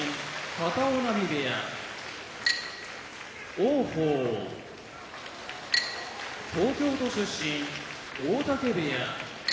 片男波部屋王鵬東京都出身大嶽部屋